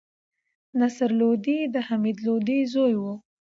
نصر لودي د حمید لودي زوی وو.